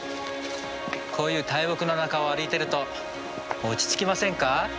こういう大木の中を歩いてると落ち着きませんか？